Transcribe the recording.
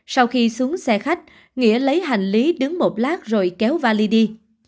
sau khi xuống xe khách nghĩa lấy hành lý đứng một lát rồi kéo vali đi